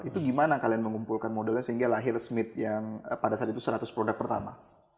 itu gimana kalian mengumpulkan modalnya sehingga lahir smith yang pada saat itu seratus produk pertama